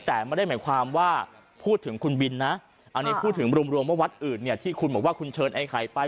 แต่ไม่ได้หมายความว่าพูดถึงคุณบินนะอันนี้พูดถึงรวมว่าวัดอื่นเนี่ยที่คุณบอกว่าคุณเชิญไอ้ไข่ไป